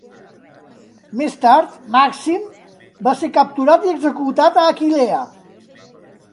Més tard Màxim va ser capturat i executat a Aquileia.